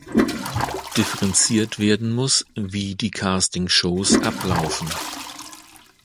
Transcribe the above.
Differenziert werden muss, wie die Casting-Shows ablaufen.